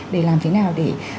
để làm thế nào để